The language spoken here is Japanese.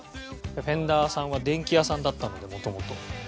フェンダーさんは電気屋さんだったので元々。